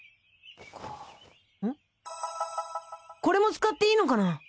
これも使っていいのかな？